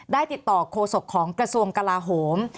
ได้ติดต่อโคศกของกระทรวงกลาโหม